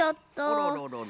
あらららら。